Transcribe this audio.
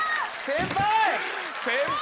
先輩！